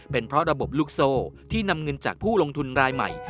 เป็นเพราะระบบลูกโซ่ที่นำเงินจากผู้ลงทุนรายใหม่